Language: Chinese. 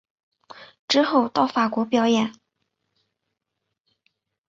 之后到法国表演。